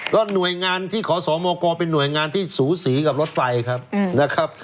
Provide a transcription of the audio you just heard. ก็หน่วยงานที่ขอสมกเป็นหน่วยงานที่สูสีกับรถไฟครับนะครับ